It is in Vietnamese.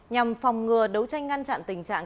nhằm phòng ngừa đấu tranh ngăn chặn tình trạng